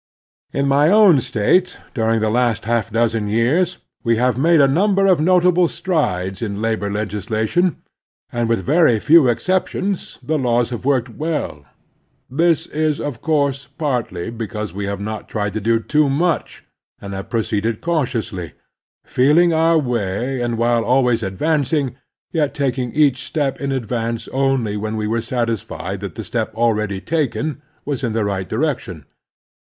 In my own State during the last half dozen years we have made a number of notable strides in labor legislation, and, with very few exceptions, the laws have worked well. This is, of course, partly because we have not tried to do too much and have proceeded cautiously, feeling our way, and, while always advancing, yet taking each step in advance only when we were satisfied that the step already taken was in the right direction.